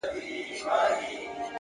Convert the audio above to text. هره ناکامي د بل درس زېری راوړي.!